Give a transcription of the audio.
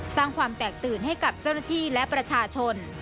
สร้างความแตกตื่นให้กับเจ้าหน้าที่และประชาชน